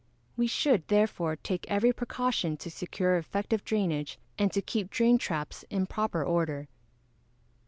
We should, therefore, take every precaution to secure effective drainage, and to keep drain traps in proper order.